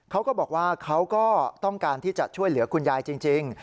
เขาก็บอกว่าเขาก็ต้องการที่จะช่วยเหลือคุณยายจริง